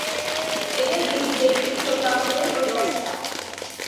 এদের বীজ দেখতে ছোটো আকারের ও চ্যাপ্টা।